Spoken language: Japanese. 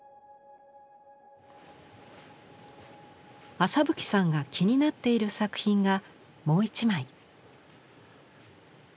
朝吹さんが気になっている作品がもう一枚。